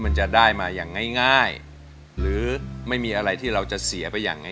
มันจะได้มาอย่างง่ายหรือไม่มีอะไรที่เราจะเสียไปอย่างง่าย